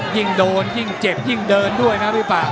ยิ่งโดนยิ่งเจ็บยิ่งเดินด้วยนะพี่ป่า